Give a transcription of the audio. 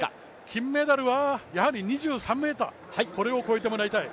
金メダルはやはり２３ｍ、これを越えてもらいたい。